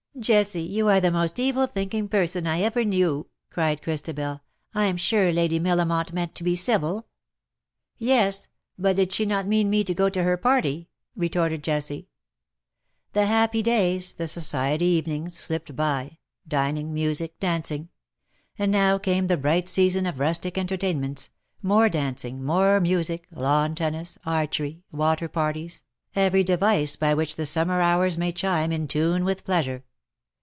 ■'^" Jessie, you are the most evil thinking person I ever knew,''^ cried Christabel. " Fm sure Lady Millamont meant to be civil.^^ " Yes, but she did not mean me to go to her party ,^^ retorted Jessie. The happy days — the society evenings — slipped by — dining — music — dancing. And now came the brief bright season of rustic entertainments — more dancing — more music — lawn tennis — archery — water parties — every device by which the summer hours may chime in tune with j)leasure.